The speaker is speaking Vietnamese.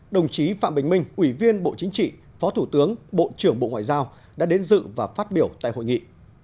đồng chí phạm bình minh ủy viên bộ chính trị phó thủ tướng bộ trưởng bộ ngoại giao đã đến dự và phát biểu tại hội nghị